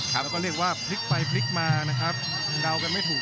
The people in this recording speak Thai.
เดินรอยตะลีกไปลีกมา